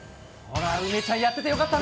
梅ちゃん、やっててよかった